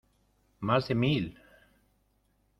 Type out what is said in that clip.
¡ más de mil!